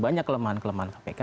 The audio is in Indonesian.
banyak kelemahan kelemahan kpk